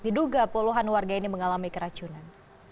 diduga puluhan warga ini mengalami keracunan